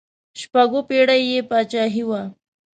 شپږ اووه پړۍ یې بادشاهي وه.